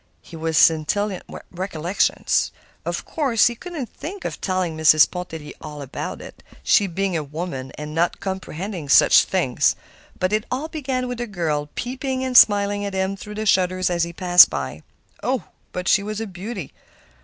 He was scintillant with recollections. Of course, he couldn't think of telling Mrs. Pontellier all about it, she being a woman and not comprehending such things. But it all began with a girl peeping and smiling at him through the shutters as he passed by. Oh! but she was a beauty!